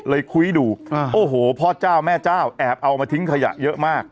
คุยดูโอ้โหพ่อเจ้าแม่เจ้าแอบเอามาทิ้งขยะเยอะมาก